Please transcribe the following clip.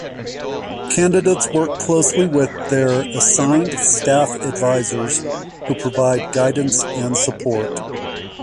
Candidates work closely with their assigned staff advisors, who provide guidance and support.